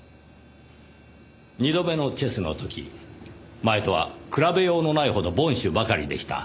２度目のチェスの時前とは比べようのないほど凡手ばかりでした。